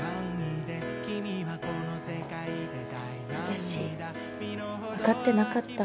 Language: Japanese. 私分かってなかった。